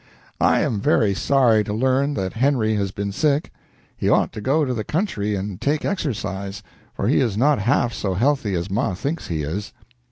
"I am very sorry to learn that Henry has been sick. He ought to go to the country and take exercise, for he is not half so healthy as Ma thinks he is.